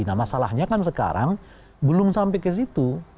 nah masalahnya kan sekarang belum sampai ke situ